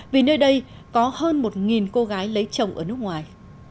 vì nơi đây có hơn một cô gái lấy chồng ở nước ngoài